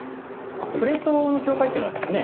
プレートの境界というのはですね